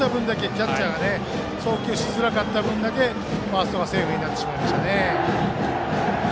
キャッチャーが送球しづらかった分だけファーストがセーフになってしまいましたね。